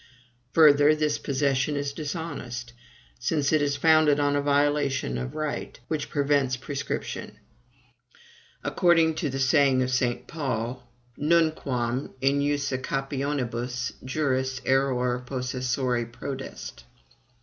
Further, this possession is DISHONEST, since it is founded on a violation of right, which prevents prescription, according to the saying of St. Paul Nunquam in usucapionibus juris error possessori prodest.